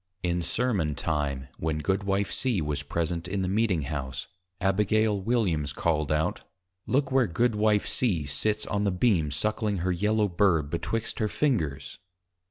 _ In Sermon time, when Goodwife C. was present in the Meeting House, Ab. W. called out, _Look where Goodwife C. sits on the Beam suckling her Yellow Bird betwixt her fingers!